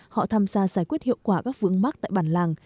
họ tham gia giải quyết hiệu quả các vướng mắc tại bản làng